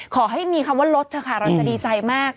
ขอให้มีคำว่าลดเถอะค่ะเราจะดีใจมาก